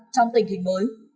trong tình hình mới